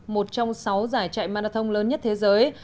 một trong sáu giải chạy marathon lớn nhất thế giới